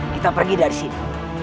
kita pergi dari sini